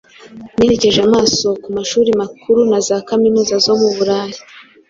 Nerekeje amaso ku mashuri makuru na za kaminuza zo mu Burayi